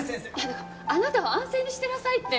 だからあなたは安静にしてなさいって。